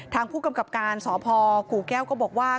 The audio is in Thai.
ทางผู้กำกับการสพกู่แก้วก็บอกว่า